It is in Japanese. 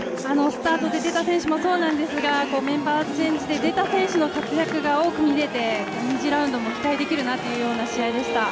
スタートで出た選手もそうなんですがメンバーチェンジで出た選手の活躍が多く見れて２次ラウンドも期待できるなというような試合でした。